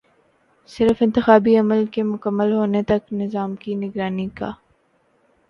صرف انتخابی عمل کے مکمل ہونے تک نظام کی نگرانی کا